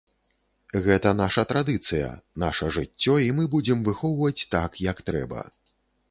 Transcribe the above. Гэта наша традыцыя, наша жыццё, і мы будзем выхоўваць так, як трэба.